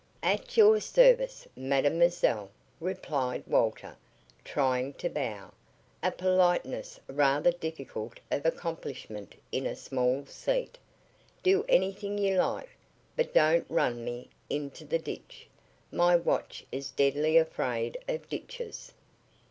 "At your service, mademoiselle," replied Walter, trying to bow, a politeness rather difficult of accomplishment in a small seat. "Do anything you like, but don't run me into the ditch. My watch is deadly afraid of ditches."